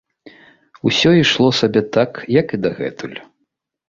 Усё ішло сабе так, як і дагэтуль.